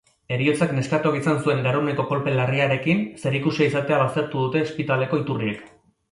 Heriotzak neskatoak izan zuen garuneko kolpe larriarekin zerikusia izatea baztertu dute ospitaleko iturriek.